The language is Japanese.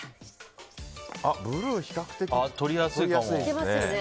ブルーは比較的取りやすいですね。